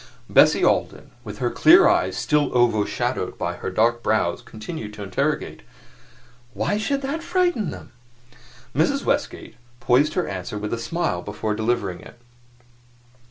Bessie Alden, with her clear eyes still overshadowed by her dark brows, continued to interrogate. "Why should that frighten them?" Mrs. Westgate poised her answer with a smile before delivering it.